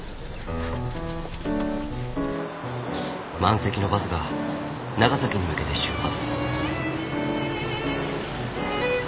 満席のバスが長崎に向けて出発。